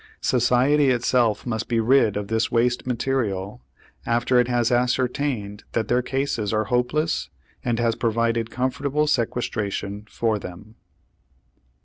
Society itself must be rid of this waste material, after it has ascertained that their cases are hopeless and has provided comfortable sequestration for them.